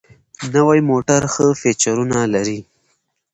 نوي موټر ښه فیچرونه لري.